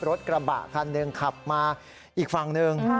รถกระบะคันหนึ่งขับมาอีกฝั่งหนึ่ง